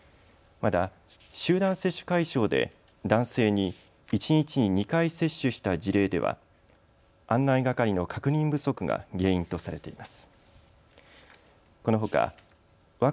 また、集団接種会場で男性に一日に２回接種した事例では案内係の確認不足が原因とされています。